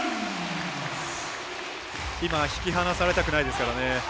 今引き離されたくないですからね。